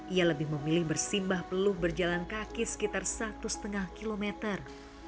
ia lebih memilih bersimbah peluh berjalan kaki sekitar satu lima kilometer